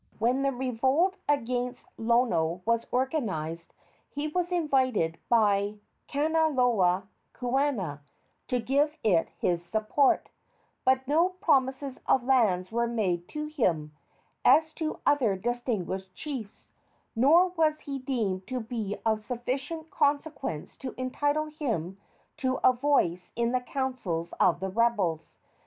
When the revolt against Lono was organized he was invited by Kanaloa kuaana to give it his support; but no promises of lands were made to him, as to other distinguished chiefs, nor was he deemed to be of sufficient consequence to entitle him to a voice in the councils of the rebels.